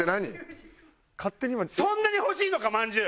そんなに欲しいのか「まんじゅう」。